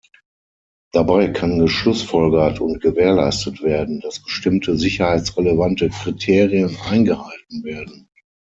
Dabei kann geschlussfolgert und gewährleistet werden, dass bestimmte sicherheitsrelevante Kriterien eingehalten werden.